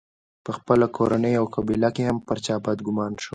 په خپله کورنۍ او قبیله کې هم پر چا بدګومان شو.